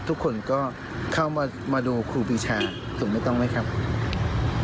ทุกคนก็เข้ามาดูครูปีชาถูกไม่ต้องไหมครับ